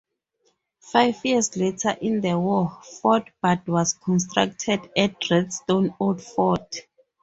Five years later in the war, Fort Burd was constructed at Redstone Old Fort.